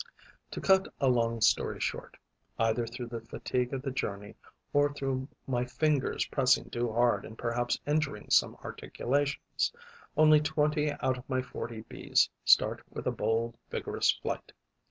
To cut a long story short, either through the fatigue of the journey, or through my fingers pressing too hard and perhaps injuring some articulations, only twenty out of my forty Bees start with a bold, vigorous flight.